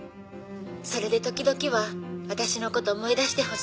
「それで時々は私の事思い出してほしい」